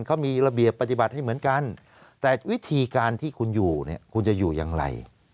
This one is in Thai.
เขามีระเบียบปฏิบัติให้เหมือนกันแต่วิธีการที่คุณอยู่เนี่ยคุณจะอยู่อย่างไร